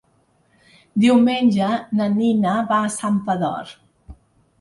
Diumenge na Nina va a Santpedor.